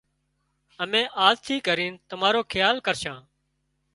امين آز ٿي ڪرينَ تمارو کيال ڪرشان